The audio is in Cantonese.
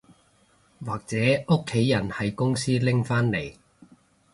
或者屋企人喺公司拎返嚟